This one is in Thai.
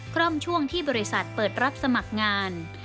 คล่อมช่วงที่บริษัทเปิดรับสมัครงาน